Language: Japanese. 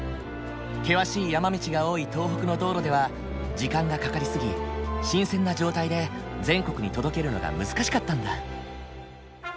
険しい山道が多い東北の道路では時間がかかり過ぎ新鮮な状態で全国に届けるのが難しかったんだ。